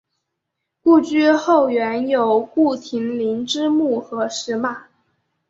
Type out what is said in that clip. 故居后园有顾亭林之墓和石马。